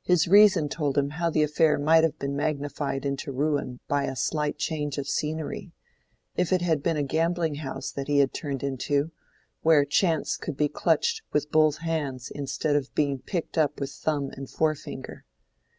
His reason told him how the affair might have been magnified into ruin by a slight change of scenery—if it had been a gambling house that he had turned into, where chance could be clutched with both hands instead of being picked up with thumb and fore finger.